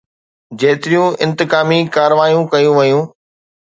جيتريون انتقامي ڪارروايون ڪيون ويون